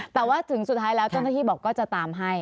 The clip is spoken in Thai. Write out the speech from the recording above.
แต่ว่าถึงสุดท้ายแล้วเจ้าหน้าที่บอกก็จะตามให้